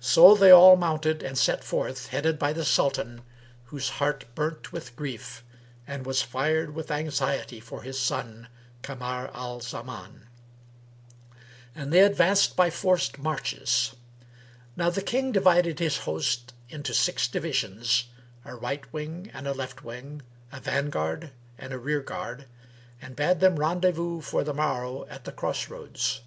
So they all mounted and set forth, headed by the Sultan, whose heart burnt with grief and was fired with anxiety for his son Kamar al Zaman; and they advanced by forced marches. Now the King divided his host into six divisions, a right wing and a left wing, a vanguard and a rear guard;[FN#322] and bade them rendezvous for the morrow at the cross roads.